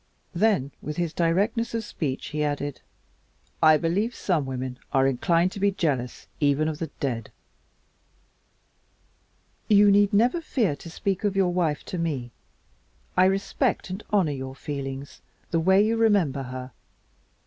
Then, with his directness of speech, he added, "I believe some women are inclined to be jealous even of the dead." "You need never fear to speak of your wife to me. I respect and honor your feelings the way you remember her.